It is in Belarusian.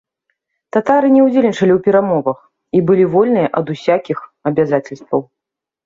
Татары не ўдзельнічалі ў перамовах і былі вольныя ад усякіх абавязацельстваў.